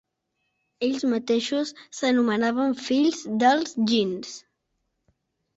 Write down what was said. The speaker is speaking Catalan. Ells mateixos s'anomenaven fills dels Jinns.